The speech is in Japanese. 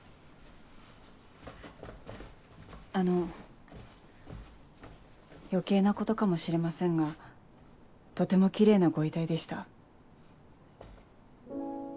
あの余計なことかもしれませんがとてもキレイなご遺体でした。